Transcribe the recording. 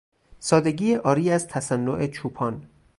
سادگی عاری از تصنع چوپان